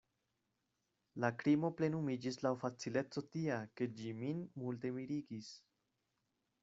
La krimo plenumiĝis laŭ facileco tia, ke ĝi min multe mirigis.